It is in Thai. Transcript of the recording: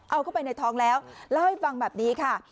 เอาเข้าไปในท้องแล้วเล่าให้ฟังแบบนี้ค่ะ